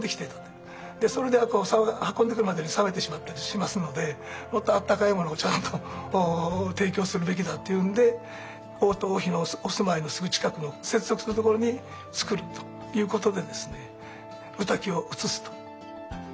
でそれで運んでくるまでに冷めてしまったりしますのでもっと温かいものをちゃんと提供するべきだっていうんで王と王妃のお住まいのすぐ近くの接続するところにつくるということで御嶽を移すと。